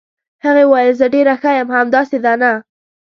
هغې وویل: زه ډېره ښه یم، همداسې ده، نه؟